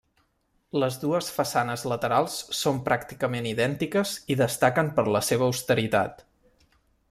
Les dues façanes laterals són pràcticament idèntiques i destaquen per la seva austeritat.